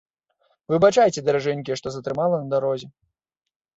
Выбачайце, даражэнькая, што затрымала на дарозе.